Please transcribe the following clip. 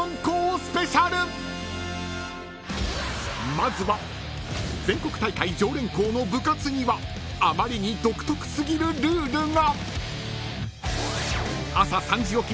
［まずは全国大会常連校の部活にはあまりに独特すぎるルールが！］